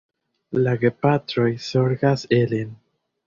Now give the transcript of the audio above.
La gepatroj zorgas ilin.